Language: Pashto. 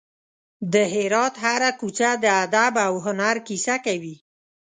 د هرات هره کوڅه د ادب او هنر کیسه کوي.